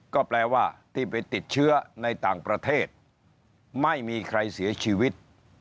ก็แปลว่าที่ไปติดเชื้อในต่างประเทศไม่มีใครเสียชีวิต